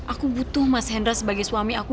aku butuh mas hendra sebagai suami aku